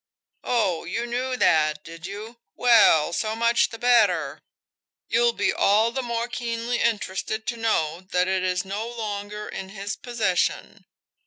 ... Oh, you knew that, did you? Well, so much the better; you'll be all the more keenly interested to know that it is no longer in his possession.